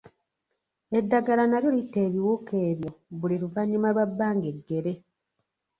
Eddagala nalyo litta ebiwuka ebyo buli luvannyuma lwa bbanga eggere.